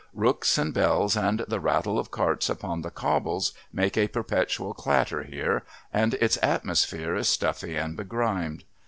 Rooks and bells and the rattle of carts upon the cobbles make a perpetual clatter here, and its atmosphere is stuffy and begrimed.